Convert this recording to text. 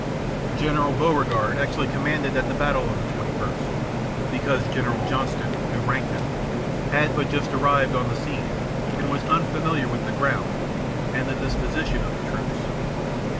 General Beauregard actually commanded at the battle on the 21st, because General Johnston, who ranked him, had but just arrived on the scene and was unfamiliar with the ground and the disposition of the troops.